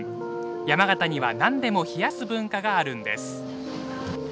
山形には、なんでも冷やす文化があるんです。